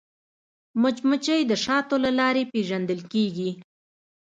مچمچۍ د شاتو له لارې پیژندل کېږي